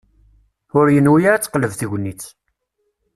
Ur yenwi ara ad tqelleb tegnit.